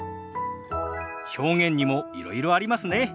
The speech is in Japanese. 表現にもいろいろありますね。